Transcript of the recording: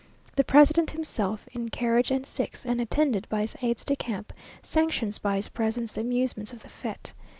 The President himself, in carriage and six, and attended by his aides de camp, sanctions by his presence the amusements of the fête.